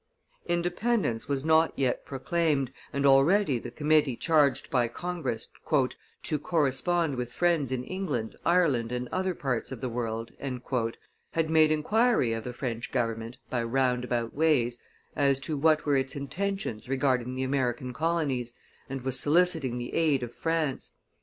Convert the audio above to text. Independence was not yet proclaimed, and already the committee charged by Congress "to correspond with friends in England, Ireland, and other parts of the world," had made inquiry of the French government, by roundabout ways, as to what were its intentions regarding the American colonies, and was soliciting the aid of France.